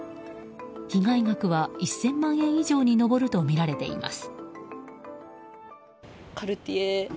被害額は、１０００万円以上に上るとみられています。